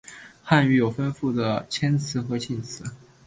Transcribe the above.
汉语有丰富的谦辞和敬辞。